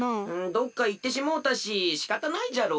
どっかいってしもうたししかたないじゃろ。